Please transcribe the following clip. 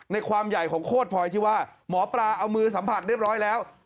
ความใหญ่ของโคตรพลอยที่ว่าหมอปลาเอามือสัมผัสเรียบร้อยแล้ว